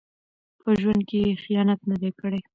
په ژوند کې یې خیانت نه دی کړی.